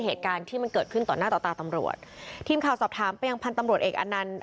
เหตุการณ์ที่มันเกิดขึ้นต่อหน้าต่อตาตำรวจทีมข่าวสอบถามไปยังพันธุ์ตำรวจเอกอนันต์